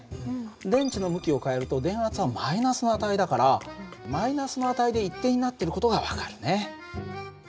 電池の向きを変えると電圧はマイナスの値だからマイナスの値で一定になっている事が分かるね。